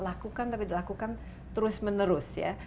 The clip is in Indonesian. lakukan tapi dilakukan terus menerus ya